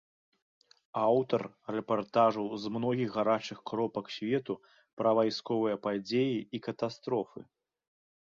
Аўтар рэпартажаў з многіх гарачых кропак свету, пра вайсковыя падзеі і катастрофы.